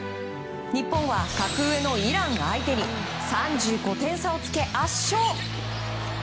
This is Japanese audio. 日本は格上のイラン相手に３５点差をつけ圧勝。